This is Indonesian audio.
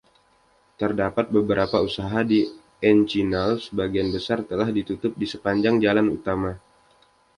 Terdapat beberapa usaha di Encinal; sebagian besar telah ditutup di sepanjang jalan utama.